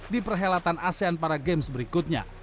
di perhelatan asean para games berikutnya